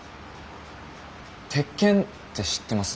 「鉄拳」って知ってます？